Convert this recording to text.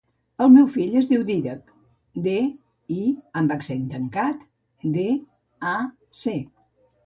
El meu fill es diu Dídac: de, i amb accent tancat, de, a, ce.